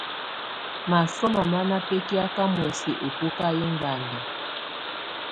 Masọmá má ná bɛ́kɛ̀áká muɛsɛ ɛ́bɔ́ká yɛ́ ɛŋganda.